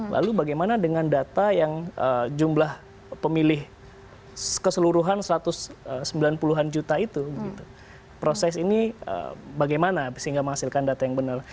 lalu bagaimana dengan data yang jumlah pemilih keseluruhan satu ratus sembilan puluh an juta itu proses ini bagaimana sehingga menghasilkan data yang benar